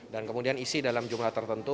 dan kemudian isi dalam jumlah tertentu